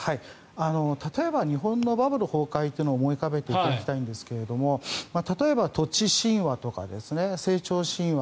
例えば日本のバブル崩壊を思い浮かべていただきたいんですが例えば、土地神話とか成長神話。